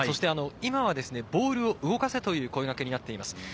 今はボールを動かせという声かけになっています。